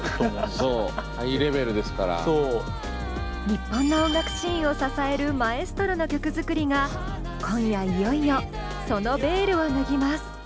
日本の音楽シーンを支えるマエストロの曲作りが今夜いよいよそのベールを脱ぎます。